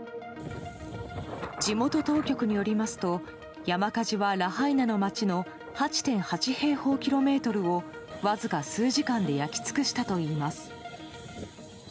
地元当局によりますと山火事は、ラハイナの街の８．８平方キロメートルをわずか数時間で焼き尽くしたといいます。